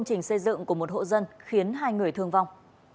trình xây dựng của một hộ dân khiến hai người thương vong